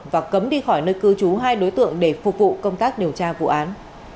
và cấm đi khỏi nơi cư trú hai đối tượng để phục vụ công tác điều tra vụ án